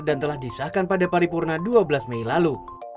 dan telah disahkan pada paripurna dua belas mei lalu